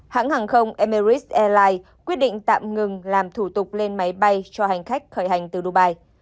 hãng hàng không emirat airlines quyết định tạm ngừng làm thủ tục lên máy bay cho hành khách khởi hành từ dubai